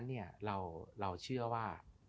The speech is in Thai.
คือหน้าวันนั้นเราเชื่อว่า